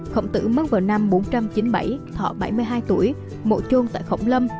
khổng tử mất vào năm bốn trăm chín mươi bảy thọ bảy mươi hai tuổi mộ chôn tại khổng lâm